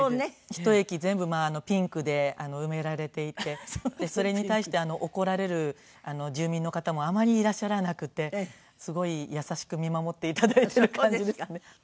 １駅全部ピンクで埋められていてそれに対して怒られる住民の方もあまりいらっしゃらなくてすごい優しく見守って頂いている感じですね。